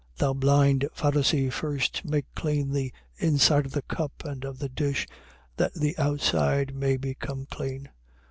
23:26. Thou blind Pharisee, first make clean the inside of the cup and of the dish, that the outside may become clean.